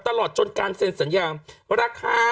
ตลอดจนการเซ็นสัญญาเรื่องราคา